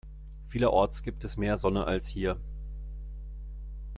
Vielerorts gibt es mehr Sonne als hier.